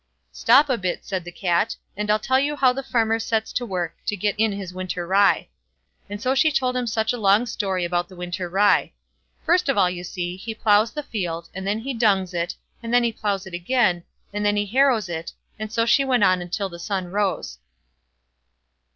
"Stop a bit", said the Cat, "and I'll tell you how the farmer sets to work to get in his winter rye." And so she told him such a long story about the winter rye. "First of all, you see, he ploughs the field, and then he dungs it, and then he ploughs it again, and then he harrows it," and so she went on till the sun rose.